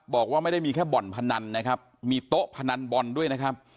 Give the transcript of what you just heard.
บอกว่าไม่ได้มีแค่บ่อนพนันนะครับมีโต๊ะพนันบอลด้วยนะครับ